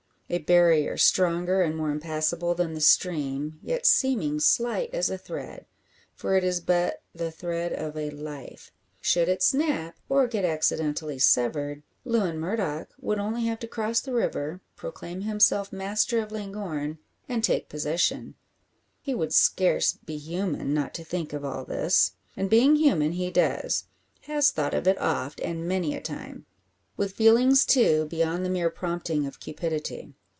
A barrier stronger and more impassable than the stream, yet seeming slight as a thread. For it is but the thread of a life. Should it snap, or get accidentally severed, Lewin Murdock would only have to cross the river, proclaim himself master of Llangorren, and take possession. He would scarce he human not to think of all this. And being human he does has thought of it oft, and many a time. With feelings too, beyond the mere prompting of cupidity.